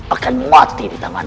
akan mengembangkan rai subang larang